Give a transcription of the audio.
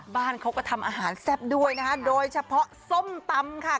บ้านเขาก็ทำอาหารแซ่บด้วยนะคะโดยเฉพาะส้มตำค่ะ